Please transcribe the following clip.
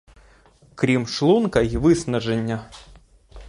Крім шлунка й виснаження.